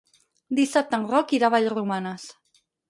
Dissabte en Roc irà a Vallromanes.